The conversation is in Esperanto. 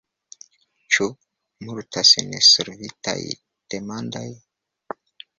Ĉu multas nesolvitaj demandoj?